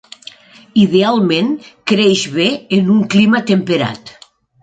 Idealment, creix bé en un clima temperat.